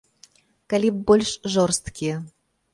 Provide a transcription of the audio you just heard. Калі б больш жорсткія.